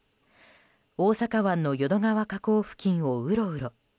大阪湾の淀川河口付近をうろうろ。